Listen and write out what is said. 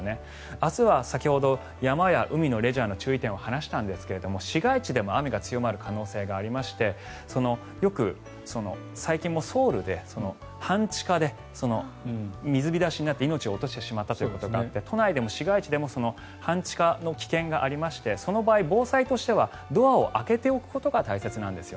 明日は、先ほど山や海のレジャーの注意点を話したんですけれども市街地でも雨が強まる可能性がありましてよく、最近もソウルで半地下で水浸しになって命を落としてしまったということがあって都内でも市街地でも半地下の危険がありましてその場合、防災としてはドアを開けておくことが大切なんです。